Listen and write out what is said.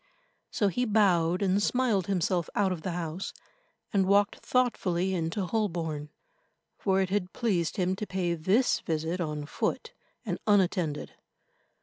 So he bowed and smiled himself out of the house, and walked thoughtfully into Holborn, for it had pleased him to pay this visit on foot, and unattended.